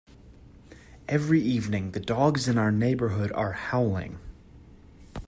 Every evening, the dogs in our neighbourhood are howling.